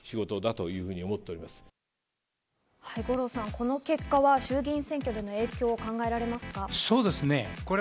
この結果は衆議院選挙での影響、考えられますか？